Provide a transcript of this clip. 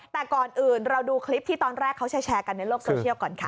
แต่ก่อนอื่นเราดูคลิปที่ตอนแรกเขาแชร์กันในโลกโซเชียลก่อนค่ะ